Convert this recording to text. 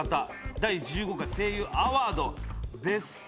第１５回声優アワードベスト。